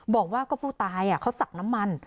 บอกว่าก็ผู้ตายเขาสักน้ำมัน